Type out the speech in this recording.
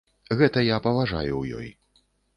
Гэта я паважаю ў ёй.